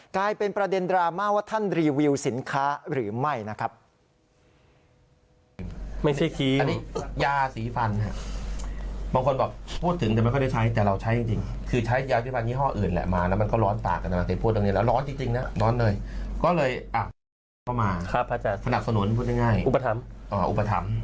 กลายเป็นประเด็นดราม่าว่าท่านรีวิวสินค้าหรือไม่นะครับ